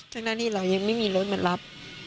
แต่ที่เรายังไม่มีรถมารับ